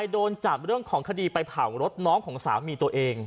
โดนจับเรื่องของคดีไปเผารถน้องของสามีตัวเอง